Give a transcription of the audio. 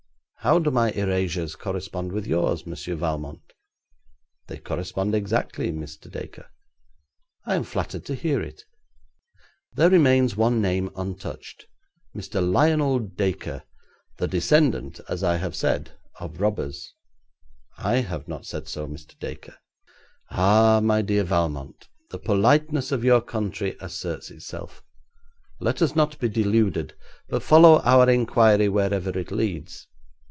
How do my erasures correspond with yours, Monsieur Valmont?' 'They correspond exactly, Mr. Dacre.' 'I am flattered to hear it. There remains one name untouched, Mr Lionel Dacre, the descendant, as I have said, of robbers.' 'I have not said so, Mr. Dacre.' 'Ah! my dear Valmont, the politeness of your country asserts itself. Let us not be deluded, but follow our inquiry wherever it leads.